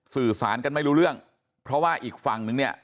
สื่อสารกันไม่รู้เรื่องเพราะว่าอีกฝั่งนึงเนี่ย